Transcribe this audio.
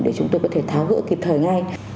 để chúng tôi có thể tháo gỡ kịp thời ngay